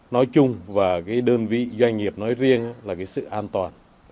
nói chung và cái đơn vị doanh nghiệp nói riêng là cái sự an toàn